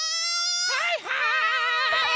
はいはい！